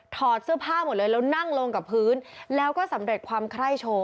ถอดเสื้อผ้าหมดเลยแล้วนั่งลงกับพื้นแล้วก็สำเร็จความไคร้โชว์